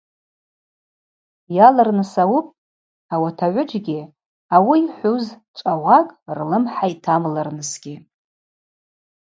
Йалырныс ауыпӏ, ауат агӏвыджьгьи ауи йхӏвуз чӏвагӏвакӏ рлымхӏа йтамлырнысгьи.